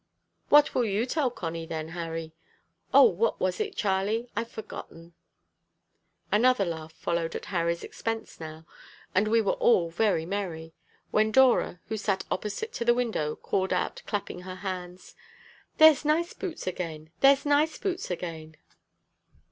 "What will you tell Connie, then, Harry?" "O! what was it, Charlie? I've forgotten." Another laugh followed at Harry's expense now, and we were all very merry, when Dora, who sat opposite to the window, called out, clapping her hands "There's Niceboots again! There's Niceboots again!"